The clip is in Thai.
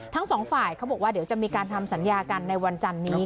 ทั้งสองฝ่ายเขาบอกว่าเดี๋ยวจะมีการทำสัญญากันในวันจันนี้